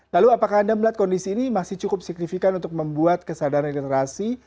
lalu apakah anda melihat kondisi ini masih cukup signifikan untuk membuat kesadaran generasi